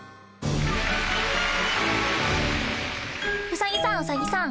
ウサギさんウサギさん。